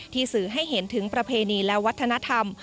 สื่อให้เห็นถึงประเพณีและวัฒนธรรม